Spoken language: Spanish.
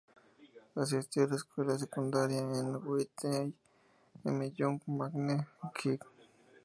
Asistió a la escuela secundaria en Whitney M. Young Magnet High.